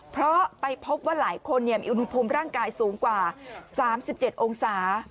เพราะไปพบว่าหลายคนมีอุณหภูมิร่างกายสูงกว่า๓๗องศา